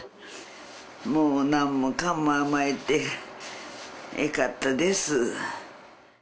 もう何もかんも甘えてえかったです